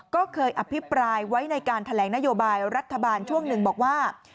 ก็เคยอภิปรายไว้ในการแถลงนโยบายรัฐบาลช่วงหนึ่งบอกว่า